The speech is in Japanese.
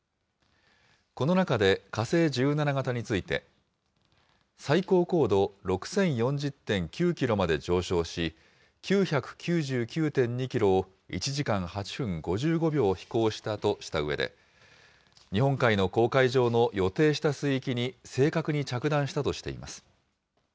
この中で火星１７型について、最高高度６０４０．９キロまで上昇し、９９９．２キロを１時間８分５５秒飛行したとしたうえで、日本海の公海上の予定した水域に正確に着弾したとしています。